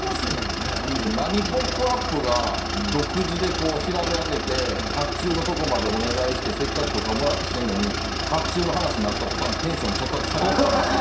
何、「ポップＵＰ！」が独自で調べ上げて甲冑のところまでお願いしてせっかく許可もらってきてんのに甲冑の話になった途端テンションちょっとだけ下がってた。